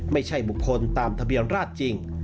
ไม่ใช่บุคคลตามทะเบียนราชจริง